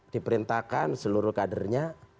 diperintahkan seluruh kadernya